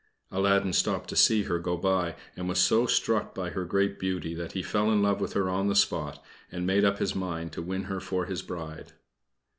Aladdin stopped to see her go by, and was so struck by her great beauty that he fell in love with her on the spot and made up his mind to win her for his bride.